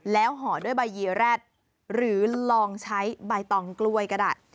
แล้วห่อด้วยใบยีแร็ดหรือลองใช้ใบตองกล้วยก็ได้